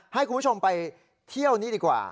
ให้คุณผู้ชมไปเที่ยวนี้ดีกว่า